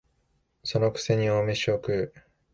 その癖に大飯を食う